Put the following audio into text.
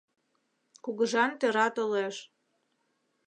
— Кугыжан тӧра толеш!